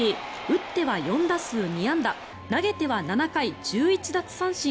打っては４打数２安打投げては７回１１奪三振